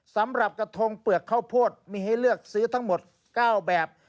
สำหรับกระทงเปลือกข้าวโพดมีให้เลือกซื้อทั้งหมด๙แบบ